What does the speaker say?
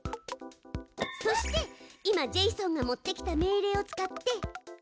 そして今ジェイソンが持ってきた命令を使って。